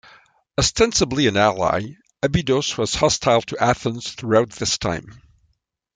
Ostensibly an ally, Abydos was hostile to Athens throughout this time.